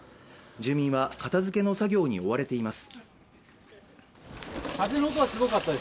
住民は片づけの作業に追われています。